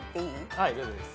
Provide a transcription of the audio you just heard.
はい大丈夫です。